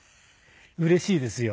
うれしいですよ。